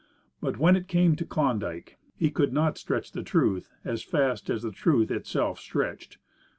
But when it came to Klondike, he could not stretch the truth as fast as the truth itself stretched.